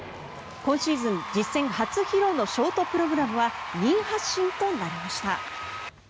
今シーズン実戦初披露のショートプログラムは２位発進となりました。